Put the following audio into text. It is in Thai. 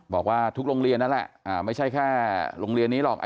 บอกว่าทุกโรงเรียนนั่นแหละไม่ใช่แค่โรงเรียนนี้หรอก